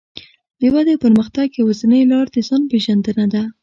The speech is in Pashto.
د ودې او پرمختګ يوازينۍ لار د ځان پېژندنه ده.